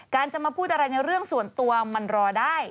จะมาพูดอะไรในเรื่องส่วนตัวมันรอได้